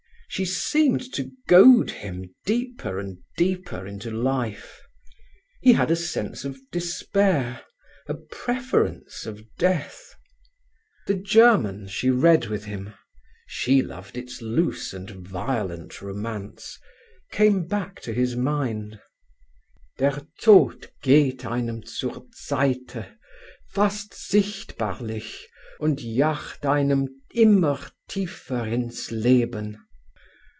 She seemed to goad him deeper and deeper into life. He had a sense of despair, a preference of death. The German she read with him—she loved its loose and violent romance—came back to his mind: "_Der Tod geht einem zur Seite, fast sichtbarlich, und jagt einem immer tiefer ins Leben.